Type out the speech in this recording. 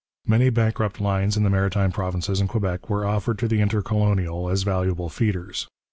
Many bankrupt lines in the Maritime Provinces and Quebec were offered to the Intercolonial as valuable feeders.